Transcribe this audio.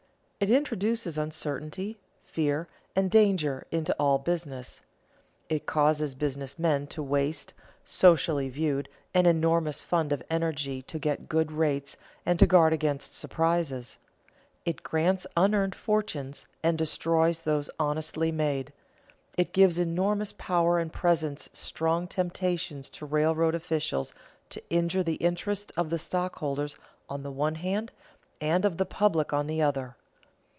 It introduces uncertainty, fear, and danger into all business; it causes business men to waste, socially viewed, an enormous fund of energy to get good rates and to guard against surprises; it grants unearned fortunes and destroys those honestly made; it gives enormous power and presents strong temptations to railroad officials to injure the interests of the stockholders on the one hand and of the public on the other.